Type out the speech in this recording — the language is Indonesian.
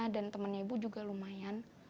dan temannya ibu juga lumayan